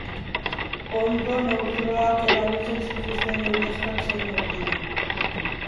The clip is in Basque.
Hondo neutroak erabiltzen zituzten, urrezkoak zein urdinak.